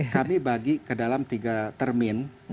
kami bagi ke dalam tiga termin